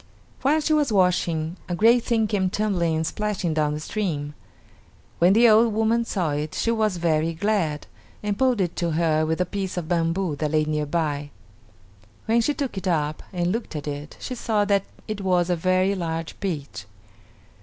While she was washing a great thing came tumbling and splashing down the stream. When the old woman saw it she was very glad, and pulled it to her with a piece of bamboo that lay near by. When she took it up and looked at it she saw that it was a very large peach.